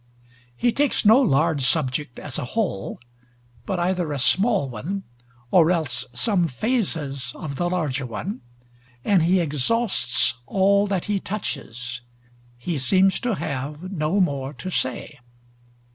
He takes no large subject as a whole, but either a small one or else some phases of the larger one; and he exhausts all that he touches. He seems to have no more to say.